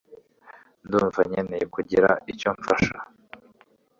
Ndumva nkeneye kugira icyo mfasha